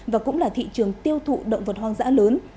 và cũng là thị trường tiêu thụ động vật hoang dã lớn